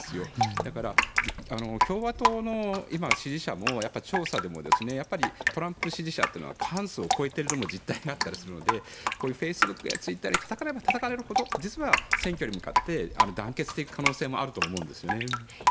だから、共和党の支持者も調査でやっぱりトランプ支持者は過半数を超えているという実態があったりするのでフェイスブックやツイッターでたたかれればたたかれるほど実は選挙に向かって団結していく可能性もあると思うんですよね。